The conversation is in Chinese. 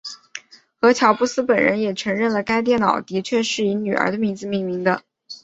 而乔布斯本人也承认了该电脑的确是以女儿的名字命名的。